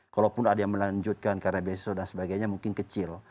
kalaupun ada yang melanjutkan karena beasiswa dan sebagainya mungkin kecil